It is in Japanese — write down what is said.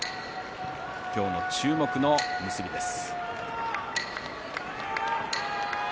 今日の注目の結びです。